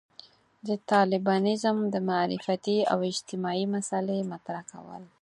د طالبانيزم د معرفتي او اجتماعي مسألې مطرح کول.